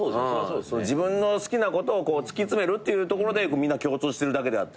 自分の好きなことをこう突き詰めるっていうところでみんな共通してるだけであって。